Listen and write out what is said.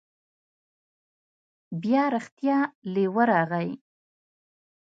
بیا رښتیا لیوه راغی.